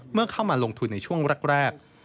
เมื่อเข้ามาลงทุนในช่วงแรก